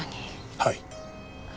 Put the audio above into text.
はい。